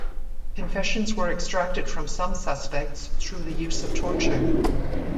Confessions were extracted from some suspects through the use of torture.